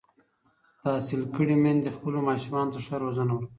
تحصیل کړې میندې خپلو ماشومانو ته ښه روزنه ورکوي.